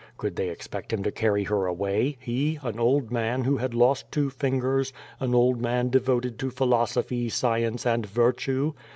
Could they expect him to carry her away, he, an old man who had lost two fingers, an old man devoted to philosophy, science, and virtue?